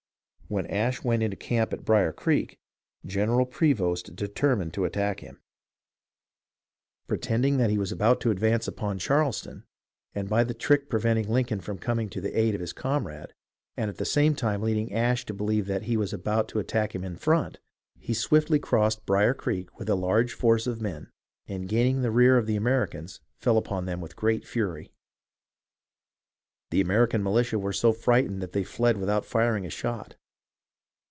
When Ashe went into camp at Brier Creek, General Prevost determined to attack him. Pretending: 322 HISTORY OF THE AMERICAN REVOLUTION that he was about to advance upon Charleston, and by the trick preventing Lincoln from coming to the aid of his comrade, and at the same time leading Ashe to believe that he was about to attack him in front, he swiftly crossed Brier Creek with a large force of men, and gaining the rear of the Americans fell upon them with great fury. The American militia were so frightened that they fled without firing a shot.